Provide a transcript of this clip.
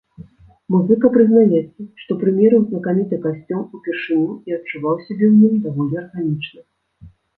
Музыка прызнаецца, што прымерыў знакаміты касцюм упершыню і адчуваў сябе ў ім даволі арганічна.